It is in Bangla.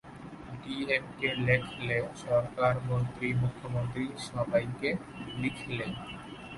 ডিএম কে লেখলে, সরকার, মন্ত্রী, মুখ্যমন্ত্রী সবাইকে লিখলে।